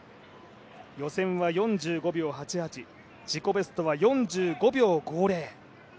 予選は４５秒８８、自己ベストは４５秒５０。